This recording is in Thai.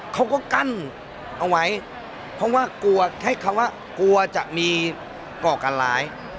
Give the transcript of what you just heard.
เขาก็กั้นเอาไว้เพราะว่ากลัวใช้คำว่ากลัวจะมีก่อการร้าย